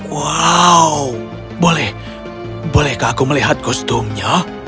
wow boleh bolehkah aku melihat kostumnya